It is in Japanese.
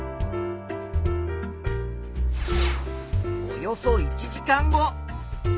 およそ１時間後。